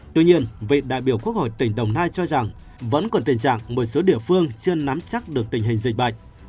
tuy nhiên vị đại biểu quốc hội tỉnh đồng nai cho rằng vẫn còn tình trạng một số địa phương chưa nắm chắc được tình hình dịch bệnh